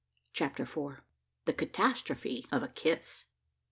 CHAPTER FOUR. THE CATASTROPHE OF A KISS.